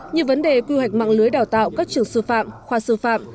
như vấn đề quy hoạch mạng lưới đào tạo các trường sư phạm khoa sư phạm